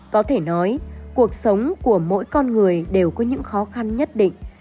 có thể nói cuộc sống của mỗi con người đều có những khó khăn nhất định